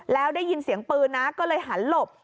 แล้วได้ยินเสียงปืนนะก็เลยหันหลบ